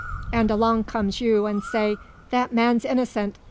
And along comes you an' say, 'That man's innocent!